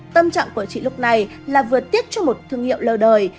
tâm trạng của chị lúc này là vừa tiếc cho một thương hiệu lâu đời